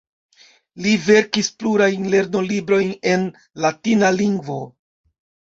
Li verkis plurajn lernolibrojn en latina lingvo.